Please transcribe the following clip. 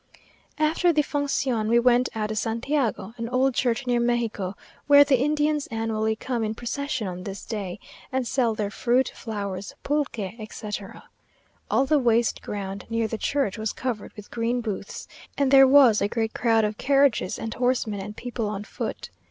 After the función, we went out to Santiago, an old church near Mexico, where the Indians annually come in procession on this day, and sell their fruit, flowers, pulque, etc. All the waste ground near the church was covered with green booths, and there was a great crowd of carriages and horsemen, and people on foot.